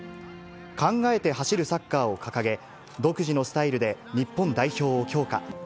考えて走るサッカーを掲げ、独自のスタイルで日本代表を強化。